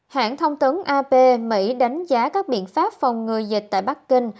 hãng thông tấn ap mỹ đánh giá các biện pháp phòng ngừa dịch tại bắc kinh